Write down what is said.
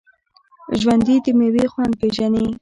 ژوندي د میوې خوند پېژني